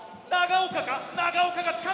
長岡か？